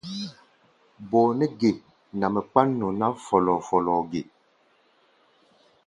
Bɔɔ nɛ́ ge nɛ mɛ kpán nɔ ná fɔ́lɔ́ɔ́-fɔ́lɔ́ɔ́ʼɛ ge?